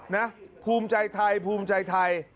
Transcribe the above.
นะภูมิใจไทยภูมิใจไทย